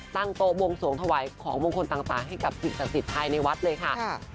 ตั้งโตวงสวงถวายของมงคลต่างให้กับศิษย์ศาสตร์ศิลป์ไทยในวัดเลยค่ะ